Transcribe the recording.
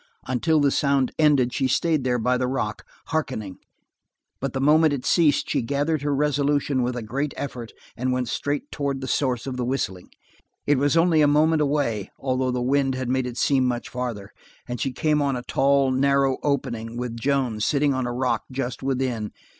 Until the sound ended she stayed there by the rock, hearkening, but the moment it ceased she gathered her resolution with a great effort and went straight toward the source of the whistling. It was only a moment away, although the wind had made it seem much farther, and she came on the tall, narrow opening with Joan sitting on a rock just within.